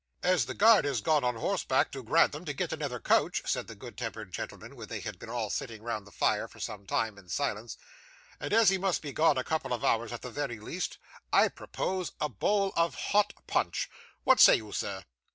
'As the guard has gone on horseback to Grantham to get another coach,' said the good tempered gentleman when they had been all sitting round the fire, for some time, in silence, 'and as he must be gone a couple of hours at the very least, I propose a bowl of hot punch. What say you, sir?